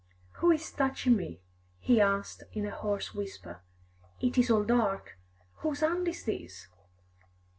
"Who is touching me?" he asked in a hoarse whisper. "It is all dark. Whose hand is this?"